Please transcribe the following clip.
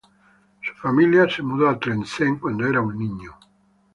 Su familia se mudó a Tlemcen cuando aún era un niño.